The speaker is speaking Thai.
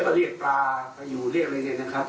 ละเขาเรียกปลาพยูเรียกอะไรเที่ยวนะครับ